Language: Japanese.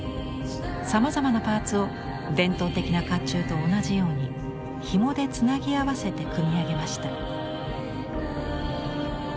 さまざまなパーツを伝統的な甲冑と同じようにひもでつなぎ合わせて組み上げました。